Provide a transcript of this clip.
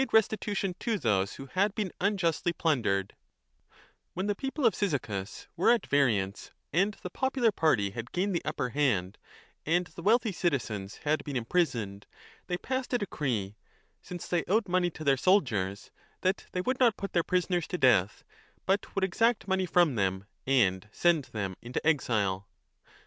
I347 1 OECONOMICA When the people of Cyzicus were at variance and the popular party had gained the upper hand and the wealthy citizens had been imprisoned, they passed a decree, since they owed money to their soldiers, that they would not put their prisoners to death, but would exact money from them and send them into exile.